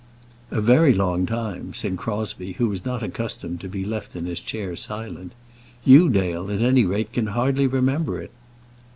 "A very long time," said Crosbie, who was not accustomed to be left in his chair silent. "You, Dale, at any rate, can hardly remember it."